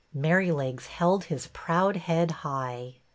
Merrylegs held his proud head high.